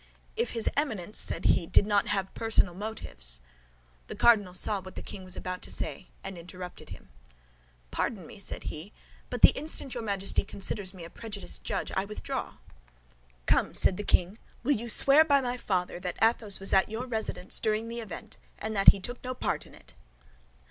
"If his Eminence," said he, "did not have personal motives—" The cardinal saw what the king was about to say and interrupted him: "Pardon me," said he; "but the instant your Majesty considers me a prejudiced judge, I withdraw." "Come," said the king, "will you swear, by my father, that Athos was at your residence during the event and that he took no part in it?"